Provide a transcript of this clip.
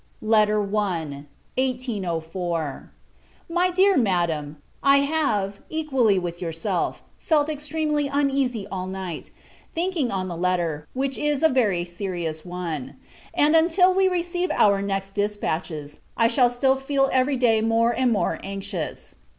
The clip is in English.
LETTERS OF ALEX. DAVISON, ESQ. &c. I. [1804.] MY DEAR MADAM, I have, equally with yourself, felt extremely uneasy all night, thinking on the letter, which is a very serious one; and, until we receive our next dispatches, I shall still feel every day more and more anxious.